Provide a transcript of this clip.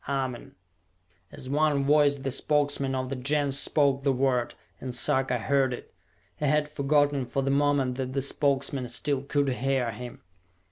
"Amen!" As one voice, the Spokesmen of the Gens spoke the word, and Sarka heard it. He had forgotten for the moment that the Spokesmen still could hear him.